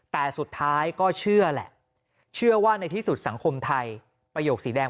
แต่สุดท้ายก็เชื่อแหละเชื่อว่าในที่สุดสังคมไทยประโยคสีแดง